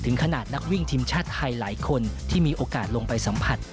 ขนาดนักวิ่งทีมชาติไทยหลายคนที่มีโอกาสลงไปสัมผัส